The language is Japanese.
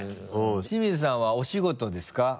清水さんはお仕事ですか？